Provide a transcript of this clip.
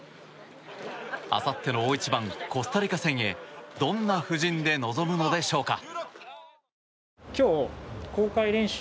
あさっての大一番コスタリカ戦へどんな布陣で臨むのでしょうか。